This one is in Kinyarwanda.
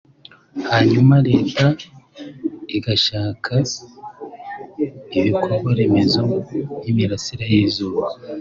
hanyuma Leta igashaka ibikorwaremezo nk’imirasire y’izuba